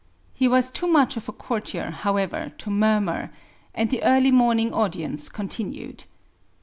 He was too much of a courtier, however, to murmur, and the early morning audience continued.